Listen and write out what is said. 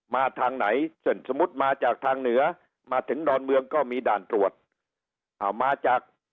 มาทางไหนสมมุติมาจากทางเหนือมาถึงดอนเมืองก็มีด่านตรวจ